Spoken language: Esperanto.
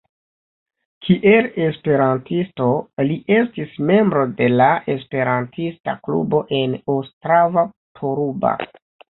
Kiel esperantisto li estis membro de la esperantista klubo en Ostrava-Poruba.